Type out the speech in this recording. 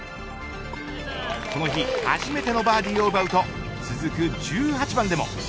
この日初めてのバーディーを奪うと続く１８番でも。